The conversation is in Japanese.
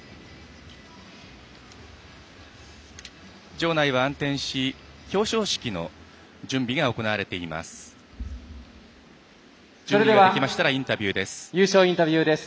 場内は暗転し表彰式の準備が行われています。